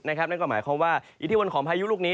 นั่นก็หมายความว่าอิทธิพลของพายุลูกนี้